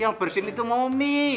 yang bersin itu momi